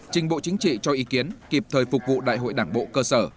trình bộ chính trị cho ý kiến kịp thời phục vụ đại hội đảng bộ cơ sở